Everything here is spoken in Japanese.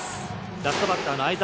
ラストバッターの相澤。